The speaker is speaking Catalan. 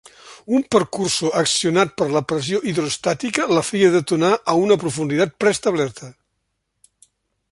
Un percussor accionat per la pressió hidroestàtica la feia detonar a una profunditat preestablerta.